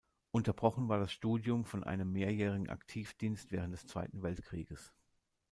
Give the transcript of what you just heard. Unterbrochen war das Studium von einem mehrjährigen Aktivdienst während des Zweiten Weltkrieges.